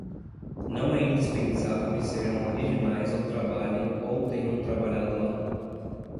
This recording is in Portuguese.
Não é indispensável que sejam originais ou trabalhem ou tenham trabalhado lá.